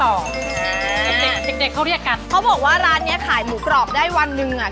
เด็กเด็กเขาเรียกกันเขาบอกว่าร้านเนี้ยขายหมูกรอบได้วันหนึ่งอ่ะ